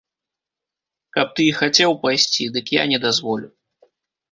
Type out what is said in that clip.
Каб ты і хацеў пайсці, дык я не дазволю.